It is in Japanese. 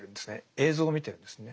映像を見てるんですね。